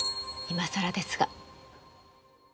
いまさらですが。